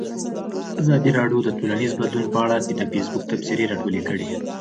ازادي راډیو د ټولنیز بدلون په اړه د فیسبوک تبصرې راټولې کړي.